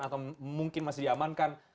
atau mungkin masih diamankan